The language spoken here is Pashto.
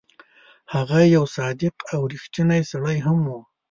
هغه یو صادق او ریښتونی سړی هم وو.